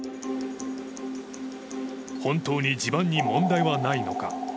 本当に地盤に問題はないのか。